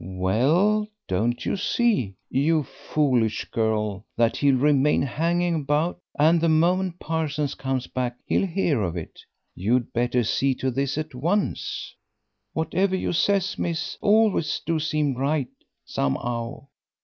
"Well, don't you see, you foolish girl, that he'll remain hanging about, and the moment Parsons comes back he'll hear of it. You'd better see to this at once." "Whatever you says, miss, always do seem right, some 'ow.